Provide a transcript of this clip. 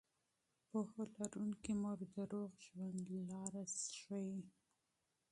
پوهه لرونکې مور د روغ ژوند لاره ښيي.